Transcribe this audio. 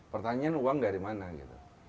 pertanyaan uang dari mana gitu